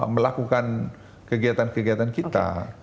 melakukan kegiatan kegiatan kita